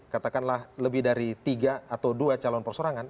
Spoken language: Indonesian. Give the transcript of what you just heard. katakanlah lebih dari tiga atau dua calon persorangan